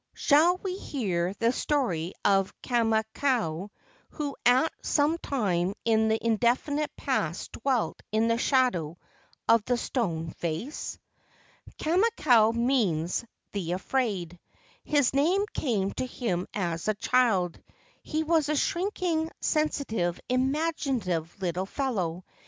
Shall we hear the story of Kamakau, who at some time in the indefinite past dwelt in the shadow of the stone face? Kamakau means "the afraid." His name came to him as a child. He was a shrinking, sensitive, imaginative little fellow.